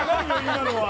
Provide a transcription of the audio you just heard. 今のは。